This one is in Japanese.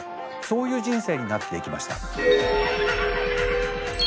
そういう人生になっていきました。